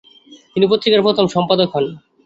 তিনি পত্রিকার প্রথম সম্পাদক হন।